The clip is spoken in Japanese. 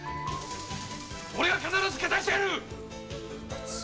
俺が必ず勝たせてやる！